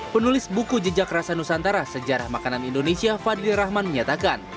penulis buku jejak rasa nusantara sejarah makanan indonesia fadli rahman menyatakan